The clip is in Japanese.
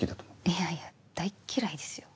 いやいや大嫌いですよ。